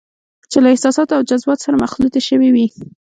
چې له احساساتو او جذباتو سره مخلوطې شوې وي.